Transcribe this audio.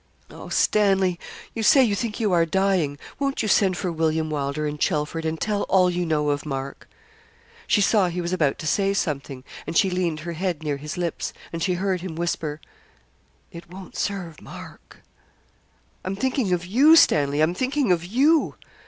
'Oh, Stanley! you say you think you are dying. Won't you send for William Wylder and Chelford, and tell all you know of Mark?' She saw he was about to say something, and she leaned her head near his lips, and she heard him whisper, 'It won't serve Mark.' 'I'm thinking of you, Stanley I'm thinking of you.'